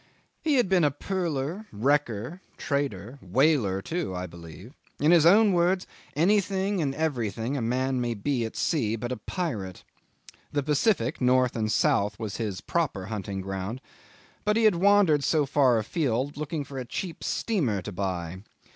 He had been pearler, wrecker, trader, whaler too, I believe; in his own words anything and everything a man may be at sea, but a pirate. The Pacific, north and south, was his proper hunting ground; but he had wandered so far afield looking for a cheap steamer to buy.